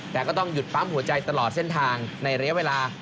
แต่ก็ต้องหยุดปั๊มหัวใจตลอดเส้นทางในระยะเวลา